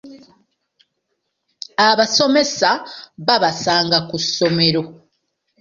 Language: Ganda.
Abasomesa babasanga ku ssomero.